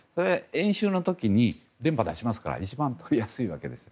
演習の時に電波出しますから一番取りやすいわけです。